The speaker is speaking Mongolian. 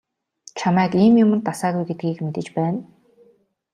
Чамайг ийм юманд дасаагүй гэдгийг мэдэж байна.